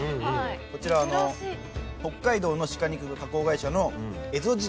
こちら北海道の鹿肉加工会社の。